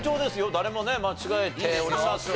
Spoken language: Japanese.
誰も間違えておりません。